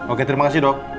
oke terima kasih dok